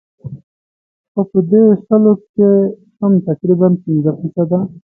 خو پۀ دې شلو کښې هم تقريباً پنځه فيصده